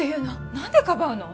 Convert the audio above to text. なんでかばうの？